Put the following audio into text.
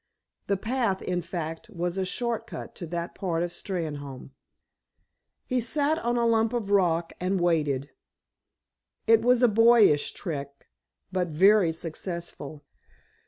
The path, in fact, was a short cut to that part of Steynholme. He sat on a hump of rock, and waited. It was a boyish trick, but very successful.